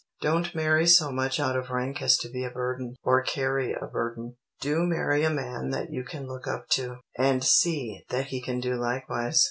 Don't marry so much out of rank as to be a burden, or carry a burden. Do marry a man that you can look up to, and see that he can do likewise.